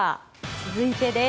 続いてです。